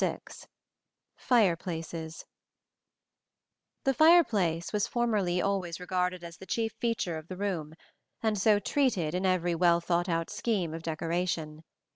VI FIREPLACES The fireplace was formerly always regarded as the chief feature of the room, and so treated in every well thought out scheme of decoration.